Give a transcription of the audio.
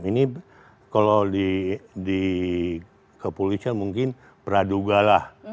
ini kalau dikepulisnya mungkin pradugalah